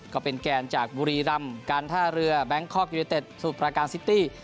ก็เป็นแกนจากบุรีรำการท่าเรือแบงคอกยูเนเต็ดสมุทรประการซิตี้